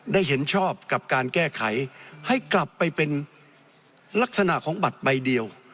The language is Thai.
เห็นชอบกับการแก้ไขให้กลับไปเป็นลักษณะของบัตรใบเดียว